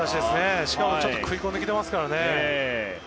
しかもちょっと食い込んできてますからね。